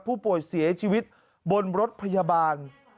ผู้ป่วยเสียชีวิตบนรถพยาบาล